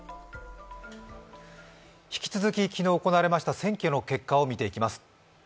引き続き、昨日行われました選挙の結果を見ていきます。